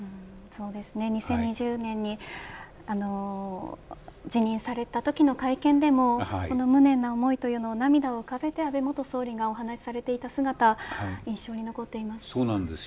そうですね、２０２０年に辞任されたときの会見でもこの無念な思いを涙を浮かべて安倍元総理が話していた姿が印象に残っています。